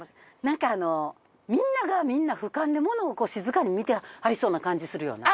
なんかあのみんながみんな俯瞰でものを静かに見てはりそうな感じするよな。